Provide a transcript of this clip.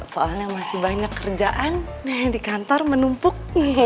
soalnya masih banyak kerjaan di kantor menumpuk